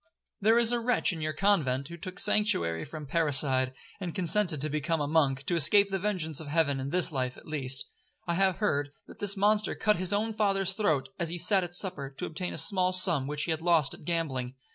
There is a wretch in your convent, who took sanctuary from parricide, and consented to become a monk, to escape the vengeance of heaven in this life at least. I have heard, that this monster cut his own father's throat, as he sat at supper, to obtain a small sum which he had lost at gambling.